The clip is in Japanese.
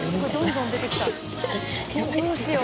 どうしよう？